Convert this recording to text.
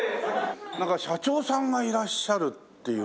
なんか社長さんがいらっしゃるっていう。